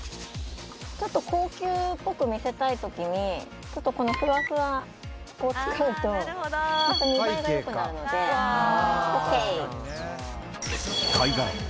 ちょっと高級っぽく見せたいときに、ちょっとこのふわふわを使うと、また見栄えがよくなるので。